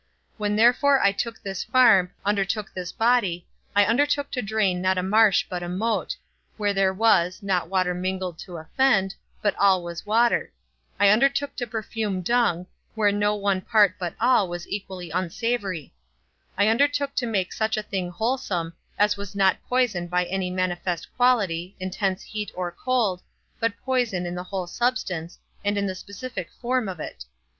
When therefore I took this farm, undertook this body, I undertook to drain not a marsh but a moat, where there was, not water mingled to offend, but all was water; I undertook to perfume dung, where no one part but all was equally unsavoury; I undertook to make such a thing wholesome, as was not poison by any manifest quality, intense heat or cold, but poison in the whole substance, and in the specific form of it.